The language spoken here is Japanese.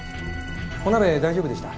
お鍋大丈夫でした？